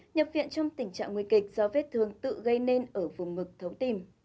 nhập viện trong tình trạng nguy kịch do vết thương tự gây nên ở vùng ngực thống tim